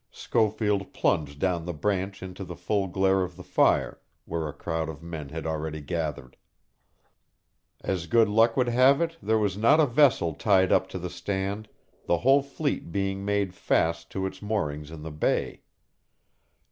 Schofield plunged down the branch into the full glare of the fire, where a crowd of men had already gathered. As good luck would have it there was not a vessel tied up to the stand, the whole fleet being made fast to its moorings in the bay.